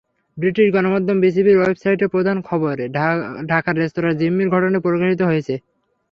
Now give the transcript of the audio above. British গণমাধ্যম বিবিসির ওয়েবসাইটের প্রধান খবরে ঢাকার রেস্তোরাঁয় জিম্মির ঘটনাটি প্রকাশিত হয়েছে।